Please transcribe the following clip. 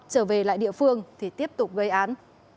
trở về lại địa phương thì tiếp tục gây án